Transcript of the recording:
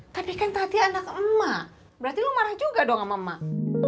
tapi kan tati anak emak berarti lo marah juga dong sama mak